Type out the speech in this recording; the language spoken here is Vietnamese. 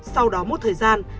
sau đó một thời gian